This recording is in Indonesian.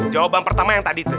jawaban pertama yang tadi itu